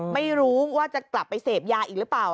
ไม่รู้ว่าจะกลับไปเสพยาอีกหรือเปล่า